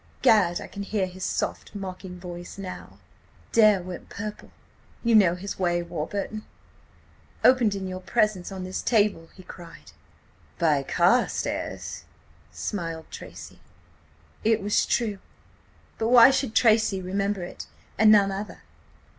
Gad! I can hear his soft, mocking voice now! "Dare went purple–you know his way, Warburton. "'Opened in your presence on this table!' he cried. "'By Carstares!' smiled Tracy. "It was true. But why should Tracy remember it, and none other?